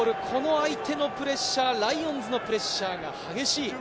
相手のプレッシャー、ライオンズのプレッシャーが激しい。